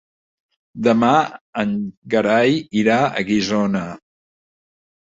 Demà en Gerai irà a Guissona.